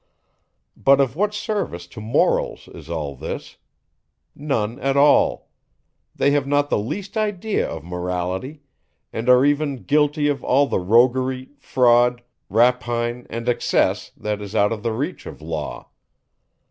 But of what service to morals is all this? None at all. They have not the least idea of Morality, and are even guilty of all the roguery, fraud, rapine, and excess, that is out of the reach of law.